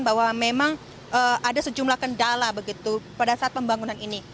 bahwa memang ada sejumlah kendala begitu pada saat pembangunan ini